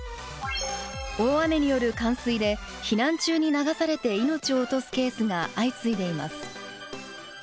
大雨による冠水で避難中に流されて命を落とすケースが相次いでいます。